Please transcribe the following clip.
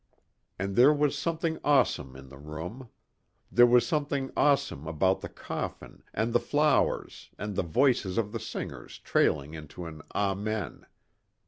And there was something awesome in the room. There was something awesome about the coffin and the flowers and the voices of the singers trailing into an Amen.